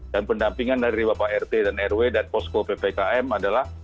dan pendampingan dari bapak rt dan rw dan posko ppkm adalah